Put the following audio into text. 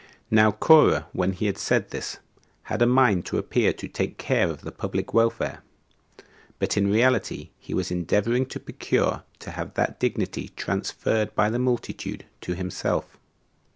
3. Now Corah, when he said this, had a mind to appear to take care of the public welfare, but in reality he was endeavoring to procure to have that dignity transferred by the multitude to himself.